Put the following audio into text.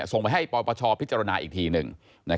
ส่งไปให้ปปชพิจารณาอีกทีหนึ่ง